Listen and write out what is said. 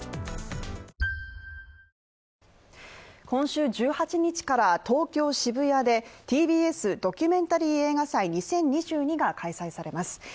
今週１８日から、東京・渋谷で「ＴＢＳドキュメンタリー映画祭２０２２」が開催されます。